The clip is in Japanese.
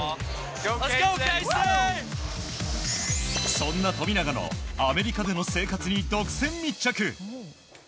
そんな富永のアメリカでの生活に独占密着。